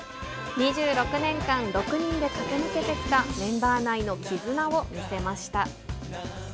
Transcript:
２６年間、６人で駆け抜けてきたメンバー内の絆を見せました。